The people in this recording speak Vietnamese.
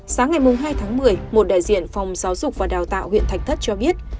sáng ngày hai tháng một mươi một đại diện phòng giáo dục và đào tạo huyện thạch thất cho biết